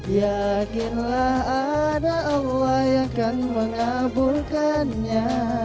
yakinlah ada allah yang akan mengabulkannya